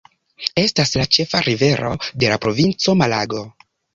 Estas la ĉefa rivero de la provinco Malago.